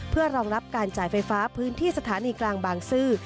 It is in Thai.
เพื่อรองรับการจ่ายไฟฟ้าพื้นที่สถานีกลางบางซื่อ